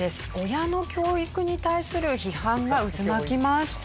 親の教育に対する批判が渦巻きました。